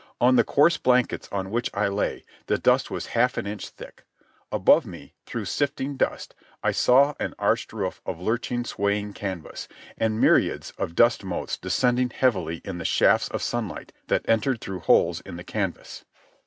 On the coarse blankets on which I lay the dust was half an inch thick. Above me, through sifting dust, I saw an arched roof of lurching, swaying canvas, and myriads of dust motes descended heavily in the shafts of sunshine that entered through holes in the canvas.